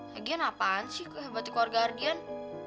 lagian apaan sih kehebatan keluarga ardian